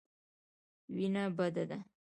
وېنه بده ده.